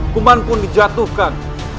kuman pun dijatuhkan